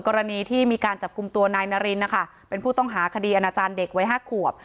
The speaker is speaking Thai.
กรณีที่มีการจับกลุ่มตัวนายนารินนะคะเป็นผู้ต้องหาคดีอนาจารย์เด็กไว้๕ขวบ